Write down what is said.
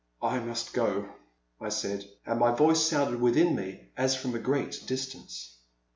I must go," I said, and my voice sounded within me as from a great distance.